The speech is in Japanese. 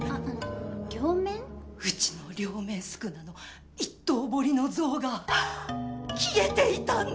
うちの両面宿儺の一刀彫の像が消えていたんです！